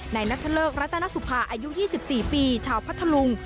นัทเลิกรัตนสุภาอายุ๒๔ปีชาวพัทธลุง